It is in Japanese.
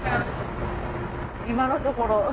今のところ。